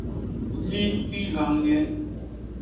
Yi i nhañ nye.